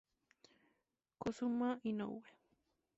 Kazuma Inoue